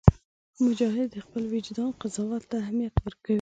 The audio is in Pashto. مجاهد د خپل وجدان قضاوت ته اهمیت ورکوي.